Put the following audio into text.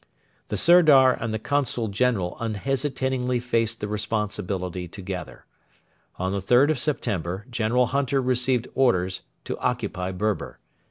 The Sirdar and the Consul General unhesitatingly faced the responsibility together. On the 3rd of September General Hunter received orders to occupy Berber.